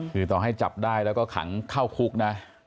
คือต่อให้จับได้แล้วก็ขังเข้าคุกนะ